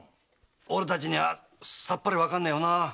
俺達にはさっぱりわかんねえよな？